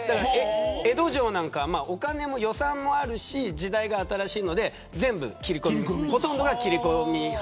江戸城なんかはお金も予算もあるし時代が新しいのでほとんどが切込接。